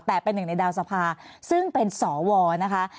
แต่เป็นหนึ่งในดาวสภาซึ่งเป็นสวนะคะ